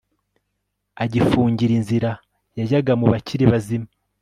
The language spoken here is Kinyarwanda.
agifungira inzira yajyaga mu bakiri bazima